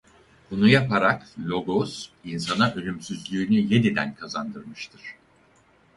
Bunu yaparak Logos insana ölümsüzlüğünü yeniden kazandırmıştır.